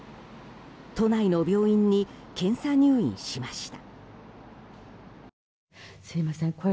都内の病院に検査入院しました。